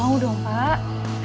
ya udah pak